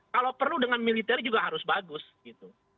kalau perlu dengan militer juga harus bagus gitu